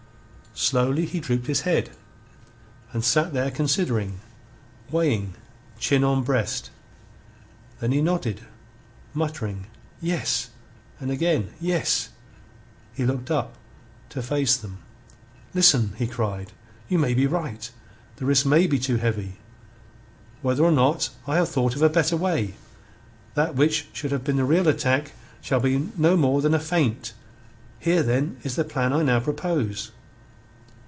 Slowly he drooped his head, and sat there considering, weighing, chin on breast. Then he nodded, muttering, "Yes," and again, "Yes." He looked up, to face them. "Listen," he cried. "You may be right. The risks may be too heavy. Whether or not, I have thought of a better way. That which should have been the real attack shall be no more than a feint. Here, then, is the plan I now propose."